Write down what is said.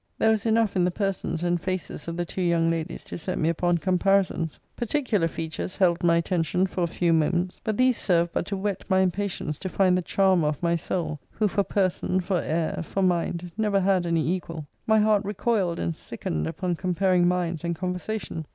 There was enough in the persons and faces of the two young ladies to set me upon comparisons. Particular features held my attention for a few moments: but these served but to whet my impatience to find the charmer of my soul; who, for person, for air, for mind, never had any equal. My heart recoiled and sickened upon comparing minds and conversation.